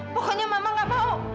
pokoknya mama gak mau